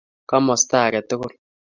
Komosta age tugul.